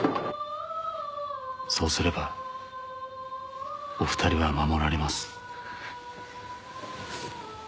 「そうすればお二人は守られます」